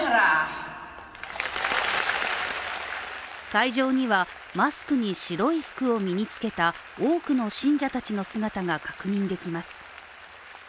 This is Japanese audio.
会場にはマスクに白い服を身につけた多くの信者たちの姿が確認できます。